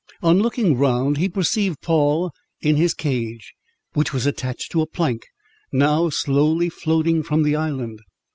On looking round, he perceived Poll in his cage, which was attached to a plank, now slowly floating from the island.